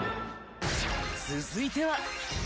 続いては。